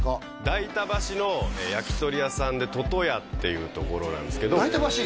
代田橋の焼き鳥屋さんで鶏々舎っていうところなんですけど代田橋？